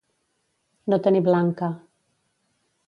No tenir blanca.